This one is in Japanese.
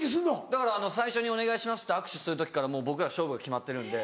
だから最初に「お願いします」って握手する時からもう僕は勝負が決まってるんで。